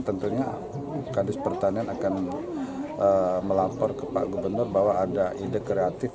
dan tentunya kadis pertanian akan melapor ke pak gubernur bahwa ada ide kreatif